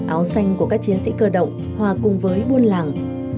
áo xanh của các chiến sĩ cơ động hòa cùng với buôn làng